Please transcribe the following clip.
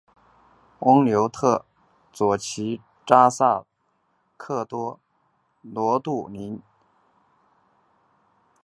翁牛特左旗扎萨克多罗杜棱郡王为清朝内扎萨克蒙古翁牛特左旗的世袭扎萨克多罗郡王。